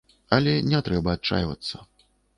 Але не трэба адчайвацца.